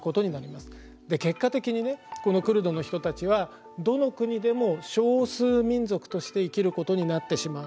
で結果的にねこのクルドの人たちはどの国でも少数民族として生きることになってしまう。